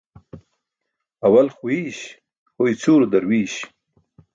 Awal xwiiś, ho icʰuulo darwiiś.